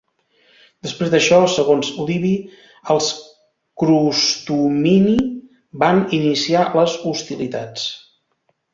Després d'això, segons Livi, els crustumini van iniciar les hostilitats.